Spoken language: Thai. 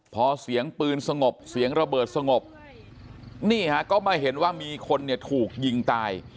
พอเสียงปืนสงบเสียงระเบิดสงบนี่ฮะก็มาเห็นว่ามีคนเนี่ยถูกยิงตาย